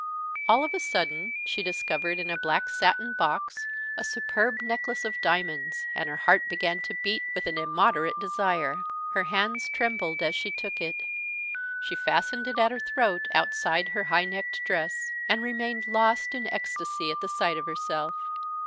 All of a sudden she discovered, in a black satin box, a superb necklace of diamonds, and her heart began to beat with an immoderate desire. Her hands trembled as she took it. She fastened it around her throat, outside her high necked dress, and remained lost in ecstasy at the sight of herself.